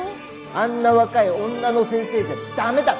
あんな若い女の先生じゃ駄目だって。